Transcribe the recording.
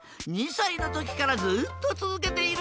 ２さいのときからずっとつづけているんだ。